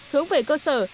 hướng về cơ sở